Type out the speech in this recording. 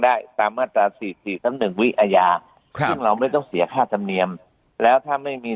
ได้ตามมาตรา๔๔๑วิอาญาซึ่งเราไม่ต้องเสียค่าธรรมเนียมแล้วถ้าไม่มี